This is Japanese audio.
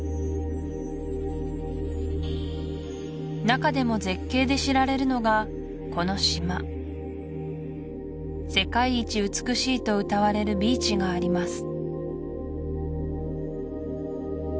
中でも絶景で知られるのがこの島世界一美しいとうたわれるビーチがあります